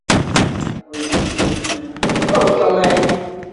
Batman only has one type of batarang in the Game Boy version.